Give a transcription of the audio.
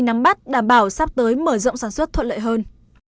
nắm bắt đảm bảo sắp tới mở rộng sản xuất thuận lợi hơn